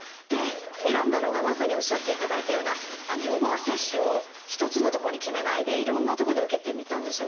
で選んだのがまさにおっしゃっていただいたような予防接種を一つの所に決めないでいろんな所で受けてみたんですよね。